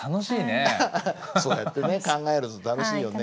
そうやってね考えると楽しいよね。